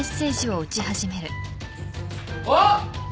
あっ！